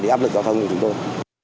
phải đi áp lực cho thông nghệ chúng tôi